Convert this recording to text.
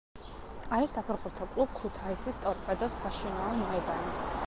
არის საფეხბურთო კლუბ ქუთაისის ტორპედოს საშინაო მოედანი.